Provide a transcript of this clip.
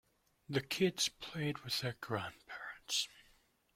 The kids played with their grandparents.